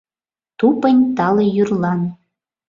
тупынь тале йӱрлан